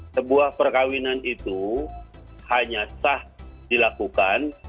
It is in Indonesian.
sebuah perkawinan itu hanya sah dilakukan